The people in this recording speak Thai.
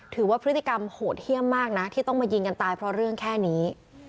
ถือว่าพฤติกรรมโหดเยี่ยมมากนะที่ต้องมายิงกันตายเพราะเรื่องแค่นี้